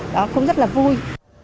đó cũng rất là vui